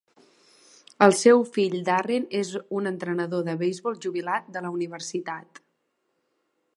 El seu fill Darren és un entrenador de beisbol jubilat de la universitat.